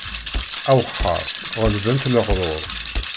Awexxer ɣelben-t leɣruṛ.